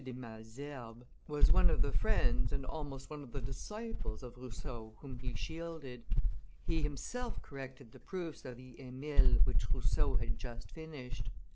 de Malesherbes, was one of the friends and almost one of the disciples of Rousseau whom he shielded; he himself corrected the proofs of the Emile which Rousseau had just finished.